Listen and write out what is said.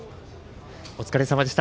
お疲れさまでした。